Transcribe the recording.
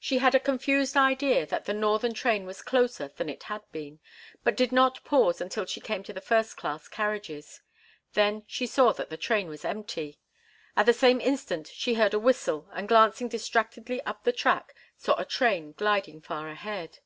She had a confused idea that the northern train was closer than it had been, but did not pause until she came to the first class carriages. Then she saw that the train was empty. At the same instant she heard a whistle, and glancing distractedly up the track saw a train gliding far ahead.